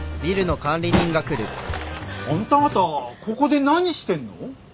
・・あんた方ここで何してんの？